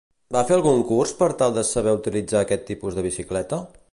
Va fer algun curs per tal de saber utilitzar aquest tipus de bicicleta?